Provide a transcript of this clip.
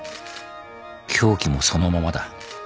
凶器もそのままだ。